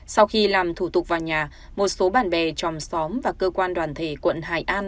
sau khi làm thủ tục vào nhà một số bạn bè tròm xóm và cơ quan đoàn thể quận hải an